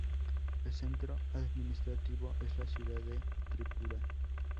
El centro administrativo es la ciudad de Tripura.